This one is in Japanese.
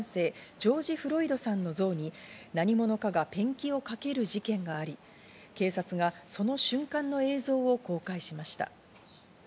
ジョージ・フロイドさんの像に何者かがペンキをかける事件があり、警察がその瞬間の映像を公開しました。